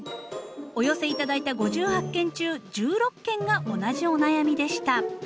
お寄せ頂いた５８件中１６件が同じお悩みでした。